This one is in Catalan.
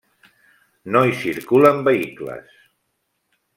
No hi circulen vehicles.